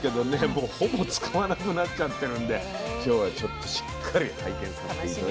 もうほぼ使わなくなっちゃってるんで今日はちょっとしっかり拝見させて頂きたいと思いますよね。